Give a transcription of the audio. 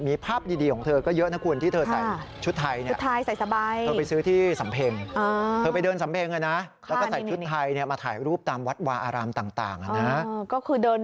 มีภาพดีของเธอก็เยอะนะคุณ